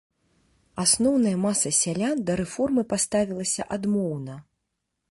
Асноўная маса сялян да рэформы паставілася адмоўна.